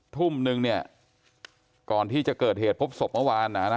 ทุ่มนึงเนี่ยก่อนที่จะเกิดเหตุพบศพเมื่อวานนะ